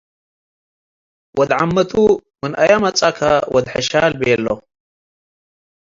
ወድ-ዐመ'ቱ፤ “ምን አያ መጽአከ ወድ-ሐሺል?” ቤሎ'።